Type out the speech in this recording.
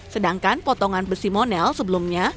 sedangkan potongan besi monel sebelumnya